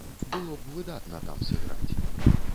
Было б выдатна там сыграць.